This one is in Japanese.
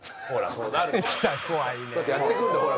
そうやってやってくるんだから。